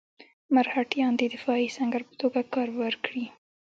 مرهټیان د دفاعي سنګر په توګه کار ورکړي.